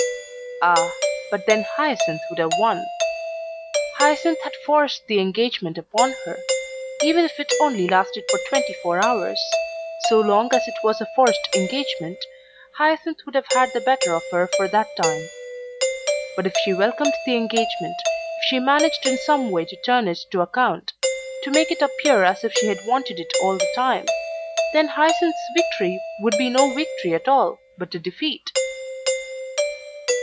Ah, but then Hyacinth would have won. Hyacinth had forced the engagement upon her; even if it only lasted for twenty four hours, so long as it was a forced engagement, Hyacinth would have had the better of her for that time. But if she welcomed the engagement, if she managed in some way to turn it to account, to make it appear as if she had wanted it all the time, then Hyacinth's victory would be no victory at all, but a defeat.